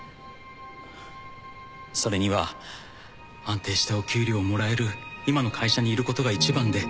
それには安定したお給料をもらえる今の会社にいることが一番で。